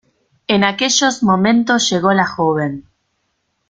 En aquellos momentos llegó la joven.